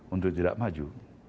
untuk tidak maju